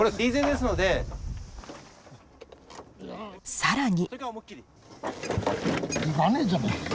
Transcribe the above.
さらに。